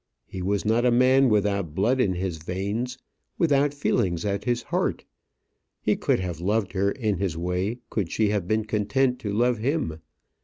He was not a man without blood in his veins without feelings at his heart. He could have loved her in his way, could she have been content to love him.